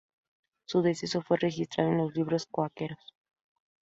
Su deceso fue registrado en los Libros cuáqueros.